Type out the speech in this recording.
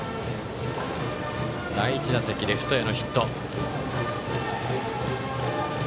第１打席レフトへのヒット。